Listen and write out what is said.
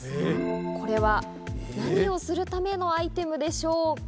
これは何をするためのアイテムでしょうか？